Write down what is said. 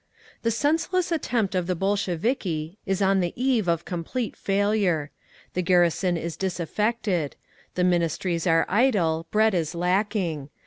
"The senseless attempt of the Bolsheviki is on the eve of complete failure. The garrison is disaffected…. The Ministries are idle, bread is lacking.